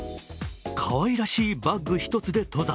かわいらしいバッグ一つで登山。